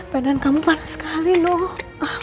badan kamu panas sekali loh